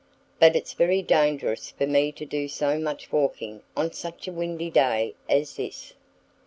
But it's very dangerous for me to do so much walking on such a windy day as this."